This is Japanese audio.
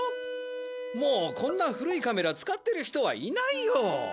もうこんな古いカメラ使ってる人はいないよ！